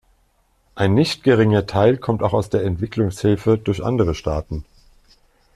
Ein nicht geringer Teil kommt auch aus der Entwicklungshilfe durch andere Staaten.